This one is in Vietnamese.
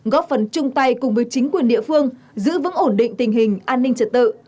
góp phần chung tay cùng với chính quyền địa phương giữ vững ổn định tình hình an ninh trật tự